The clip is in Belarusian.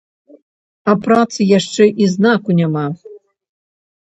А працы яшчэ і знаку няма.